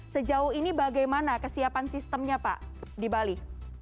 sejauh ini bagaimana kesiapan sistemnya pak di bali